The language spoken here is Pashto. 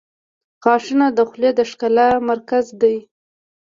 • غاښونه د خولې د ښکلا مرکز دي.